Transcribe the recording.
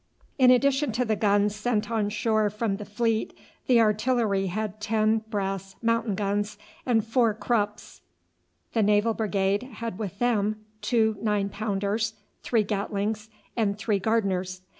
] In addition to the guns sent on shore from the fleet the artillery had ten brass mountain guns and four Krupps; the Naval Brigade had with them two nine pounders, three Gatlings, and three Gardners.